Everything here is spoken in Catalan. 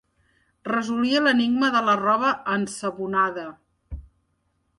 Resolia l'enigma de la roba ensabonada.